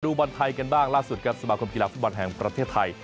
บอลไทยกันบ้างล่าสุดครับสมาคมกีฬาฟุตบอลแห่งประเทศไทย